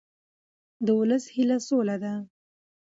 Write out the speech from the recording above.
د ولس هیله سوله ده